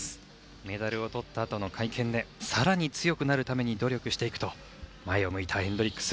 メダルを取ったあとの会見で、更に強くなるために努力していくと前を向いたヘンドリックス。